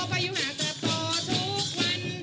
ก็อยู่หาเจอตัวทุกวัน